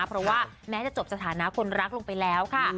เพราะว่าแม้จะจบสถานะคนรักลงไปแล้วค่ะ